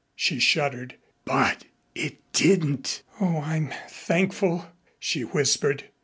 She shuddered. "But it didn't " "Oh, I'm thankful," she whispered.